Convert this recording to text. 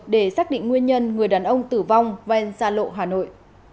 để xác định nguyên nhân người đàn ông tử vong ven xa lộ hà nội